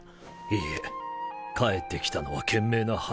いえ帰ってきたのは賢明な判断です。